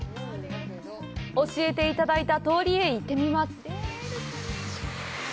教えていただいた通りへ行ってみます。